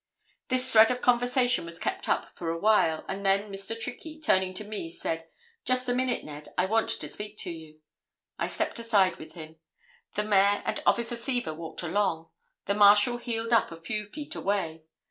This thread of conversation was kept up for awhile, and then Mr. Trickey, turning to me said, 'Just a minute, Ned, I want to speak to you.' I stepped aside with him. The Mayor and Officer Seaver walked along; the Marshal heeled up a few feet away.